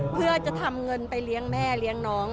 เพื่อจะทำเงินไปเลี้ยงแม่เลี้ยงน้อง